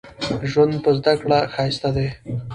ژوند په زده کړه ښايسته دې